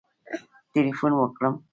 ټلېفون وکړم